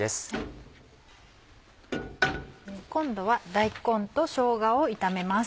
今度は大根としょうがを炒めます。